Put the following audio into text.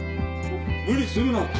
無理するなって。